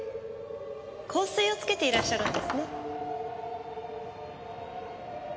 香水をつけていらっしゃるんですね。